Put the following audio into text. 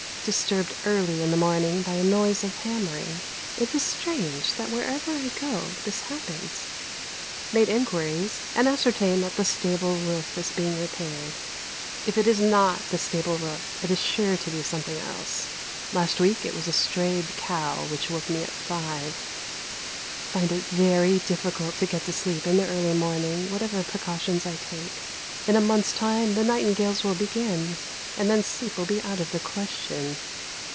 Disturbed early in the morning by a noise of hammering. It is strange that where ever I go this happens. Made inquiries, and ascertained that the stable roof is being repaired. If it is not the stable roof it is sure to be something else. Last week it was a strayed cow which woke me at five. Find it very difficult to get sleep in the early morning, whatever precautions I take. In a month's time the nightingales will begin, and then sleep will be out of the question.